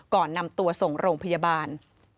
ก่อนนำตัวส่งโรงพยาบาล